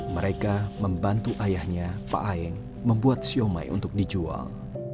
mereka membantu ayahnya pak aeng membuat siomay untuk dijual